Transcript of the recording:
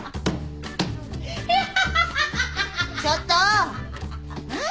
ちょっと！何？